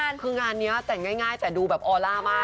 คืองานนี้แต่งง่ายแต่ดูแบบออล่ามาก